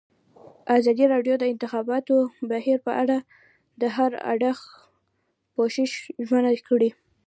ازادي راډیو د د انتخاباتو بهیر په اړه د هر اړخیز پوښښ ژمنه کړې.